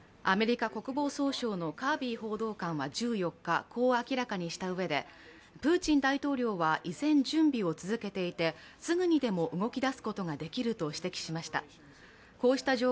アメリカ国防総省のカービー報道官は１４日、こう明らかにしたうえでプーチン大統領は依然準備を続けていてすぐにでも動き出すことができると指摘しました。